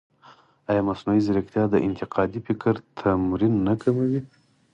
ایا مصنوعي ځیرکتیا د انتقادي فکر تمرین نه کموي؟